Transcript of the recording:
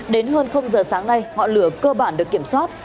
đến hơn giờ sáng nay ngọn lửa cơ bản được kiểm soát